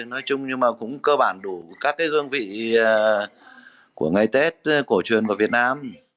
nói chung nhưng mà cũng cơ bản đủ các hương vị của ngày tết cổ truyền của việt nam